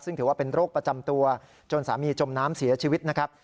ซึ่งถือว่าเป็นโรคประจำตัวจนสามีจมน้ำเสียชีวิตนะครับ